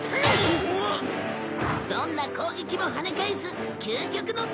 どんな攻撃もはね返す究極の盾だ！